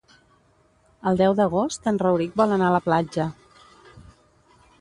El deu d'agost en Rauric vol anar a la platja.